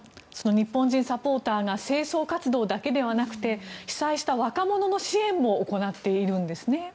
日本人サポーターが清掃活動だけではなくて被災した若者の支援も行っているんですね。